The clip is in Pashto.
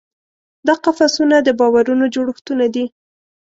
دا قفسونه د باورونو جوړښتونه دي.